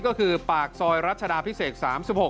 ก็คือปากซอยรัชดาพิเศษ๓๖